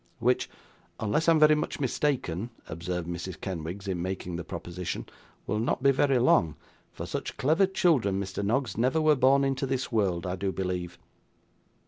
'Which, unless I am very much mistaken,' observed Mrs. Kenwigs in making the proposition, 'will not be very long; for such clever children, Mr Noggs, never were born into this world, I do believe.